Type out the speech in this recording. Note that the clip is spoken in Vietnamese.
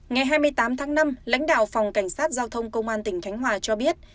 ngày hai mươi tám tháng năm lãnh đạo phòng cảnh sát giao thông công an tỉnh khánh hòa cho biết